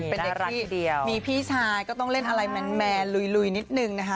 เป็นเด็กที่มีพี่ชายก็ต้องเล่นอะไรแมนลุยนิดนึงนะคะ